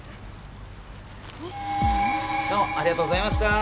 どうもありがとうございましたー！